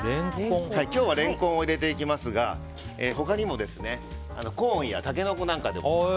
今日はレンコンを入れていきますが他にもコーンやタケノコなんかでも。